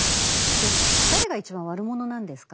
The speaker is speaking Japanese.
で誰が一番悪者なんですか？